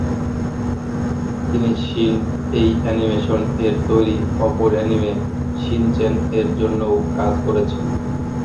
তিনি Shin Ei animation এর তৈরি অপর অ্যানিমে শিন-চ্যান এর জন্যও কাজ করেছেন।